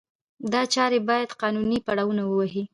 دا چارې باید قانوني پړاونه ووهي.